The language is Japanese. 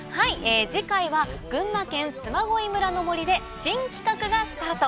次回は群馬県嬬恋村の森で新企画がスタート。